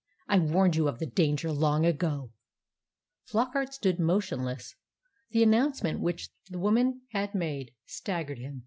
"I warned you of the danger long ago." Flockart stood motionless. The announcement which the woman had made staggered him.